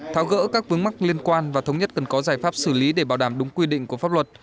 tháo gỡ các vướng mắc liên quan và thống nhất cần có giải pháp xử lý để bảo đảm đúng quy định của pháp luật